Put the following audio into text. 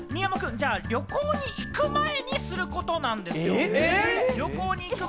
旅行に行く前にすることなんです。